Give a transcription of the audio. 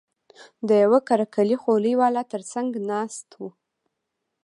د يوه قره قلي خولۍ والا تر څنگ ناست و.